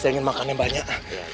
saya ingin makan banyak